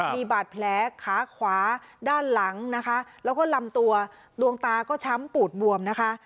มีบาดแผลขาขวาด้านหลังนะคะแล้วก็ลำตัวดวงตาก็ช้ำปูดบวมนะคะ